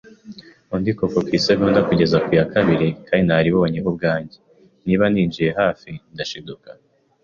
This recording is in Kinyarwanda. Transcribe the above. undi kuva ku isegonda kugeza ku ya kabiri; kandi naribonye ubwanjye, niba ninjiye hafi, ndashiduka